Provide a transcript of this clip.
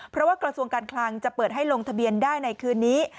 เพราะว่ากระทรวงการคลังจะเปิดให้ลงทะเบียนได้ในคืนนี้